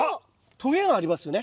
とげがありますよね。